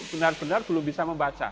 benar benar belum bisa membaca